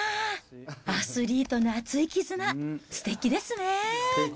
アスリートの熱い絆、すてきですね。